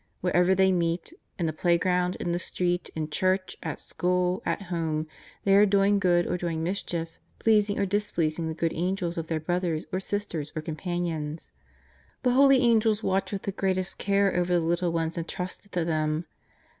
Wherever they meet — in the playground, in the street, in church, at school, at home, they are doing good or doing mischief, pleasing or displeasing the Good Angels of their brothers, or sisters, or companions. The Holy Angels watch with the greatest care over the little ones entrusted to them.